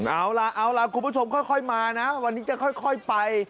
เอาล่ะเอาล่ะคุณผู้ชมค่อยมานะวันนี้จะค่อยไป